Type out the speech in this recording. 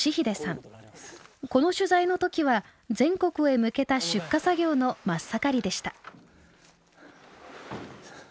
この取材の時は全国へ向けた出荷作業の真っ盛りでした。